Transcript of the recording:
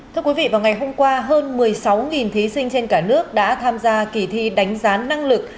thưa quý vị vào ngày hôm qua hơn một mươi sáu thí sinh trên cả nước đã tham gia kỳ thi đánh giá năng lực